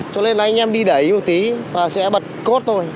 cho nên anh em đi đẩy một tí và sẽ bật cốt thôi